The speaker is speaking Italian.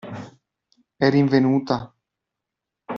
È rinvenuta?